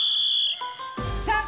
さあ